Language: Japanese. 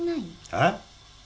えっ！？